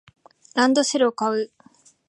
ランドセルを買う